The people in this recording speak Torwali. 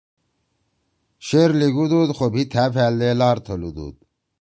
شعر لیِگُودُود خو بھی تھأ پھألدے لار تھلُودُود